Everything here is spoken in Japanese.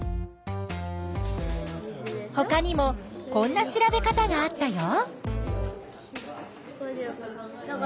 ほかにもこんな調べ方があったよ。